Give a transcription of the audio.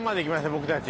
僕たち。